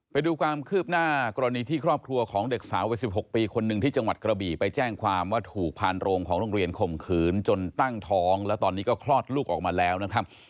ไปดูความคืบหน้ากรณีที่ครอบครัวของเด็กสาววัย๑๖ปีคนหนึ่งที่จังหวัดกระบี่ไปแจ้งความว่าถูกพานโรงของโรงเรียนข่มขืนจนตั้งท้องแล้วตอนนี้ก็คลอดลูกออกมาแล้วนะครับ